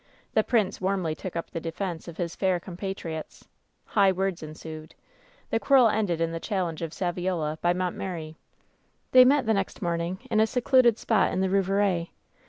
The prince warmly took up the defense of his fair compatriots. High words ensued. The quarrel ended in the challenge of Saviola by Mont meri. They met the next morning in a secluded spot in the Rouveret.